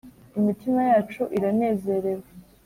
imitima yacu iranezerewe,